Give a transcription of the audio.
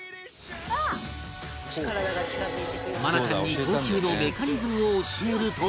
愛菜ちゃんに投球のメカニズムを教えると